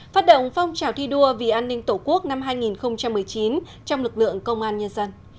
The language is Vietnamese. phát động phong trào thi đua vì an ninh tổ quốc năm hai nghìn một mươi chín trong lực lượng công an nhân dân